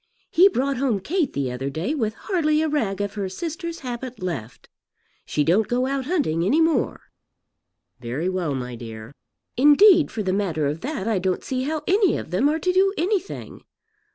He brought home Kate the other day with hardly a rag of her sister's habit left. She don't go out hunting any more." "Very well, my dear." "Indeed for the matter of that I don't see how any of them are to do anything.